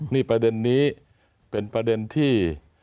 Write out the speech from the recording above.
นี่ประเด็นนี้เป็นประเด็นที่